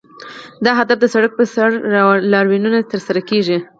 دا اهداف د سړک پر سر لاریونونو سره ترلاسه کیږي.